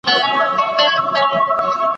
ایا تاسو په خپل ځان تمرکز کوئ؟